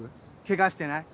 ケガしてない？